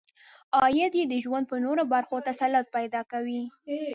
عاید یې د ژوند په نورو برخو تسلط پیدا کوي.